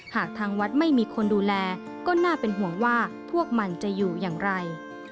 หากทางวัดไม่มีคนดูแลก็น่าเป็นห่วงว่าพวกมันจะอยู่อย่างไร